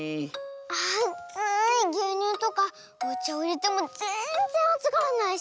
あついぎゅうにゅうとかおちゃをいれてもぜんぜんあつがらないし。